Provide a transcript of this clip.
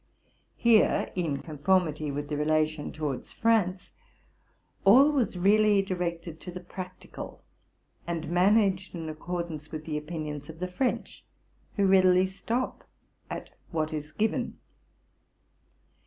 Here, in conformity with the re lation towards France, all was really directed to the practi cal, and managed in accordance with the opinions of the French, who readily stop at what is given.